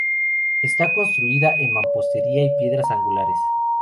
Está construida en mampostería y piedras angulares.